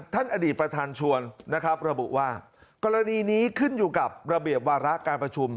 ท่านอดีตประธานชวนนะครับระบุว่ากรณีนี้ขึ้นอยู่กับระเบียบวาระการประชุม